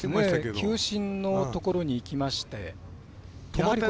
球審のところに行きまして。